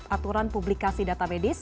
aturan publikasi data medis